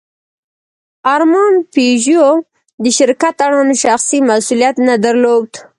ارمان پيژو د شرکت اړوند شخصي مسوولیت نه درلود.